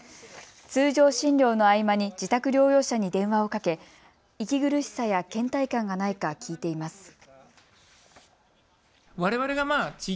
通常診療の合間に自宅療養者に電話をかけ息苦しさや、けん怠感がないか聞いています。